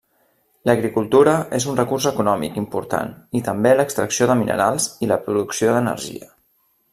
L'agricultura és un recurs econòmic important i també l'extracció de minerals i la producció d'energia.